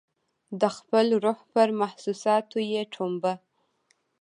د خپل روح پر محسوساتو یې ټومبه